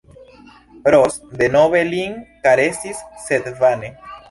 Ros denove lin karesis, sed vane.